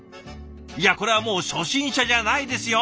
いやこれはもう初心者じゃないですよ！